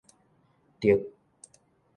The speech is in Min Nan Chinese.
特